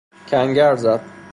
کنگر زد